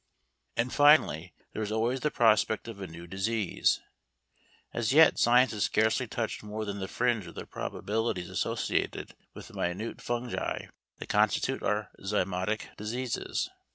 And, finally, there is always the prospect of a new disease. As yet science has scarcely touched more than the fringe of the probabilities associated with the minute fungi that constitute our zymotic diseases.